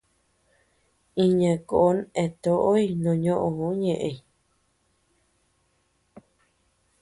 Iña koón eatoʼóy noo ñoʼó ñëʼeñ.